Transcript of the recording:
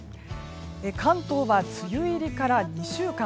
関東は、梅雨入りから２週間。